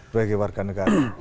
bagi warga negara